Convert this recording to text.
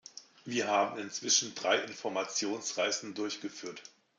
Wir haben inzwischen drei Informationsreisen durchgeführt.